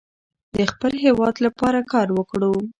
د خپل هیواد لپاره کار وکړو.